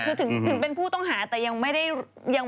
คือถึงเป็นผู้ต้องหาแต่ยังไม่ได้ยัง